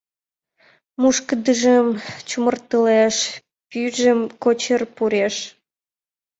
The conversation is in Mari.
Мушкындыжым чумыртылеш, пӱйжым кочыр-р пуреш.